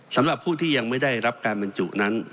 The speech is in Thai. สำหรับผู้ที่ยังไม่ได้รับการบรรจุนั้น